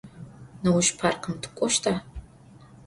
Nêuş parkım tık'oşta?